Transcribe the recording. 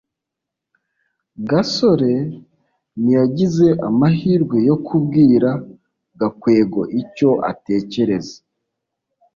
gasore ntiyagize amahirwe yo kubwira gakwego icyo atekereza